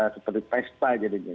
seperti pesta jadinya